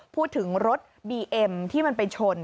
พูดถึงรถบีเอ็มที่มันไปชน